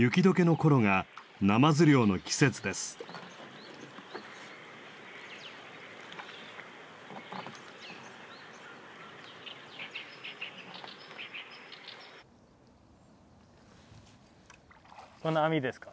この網ですか？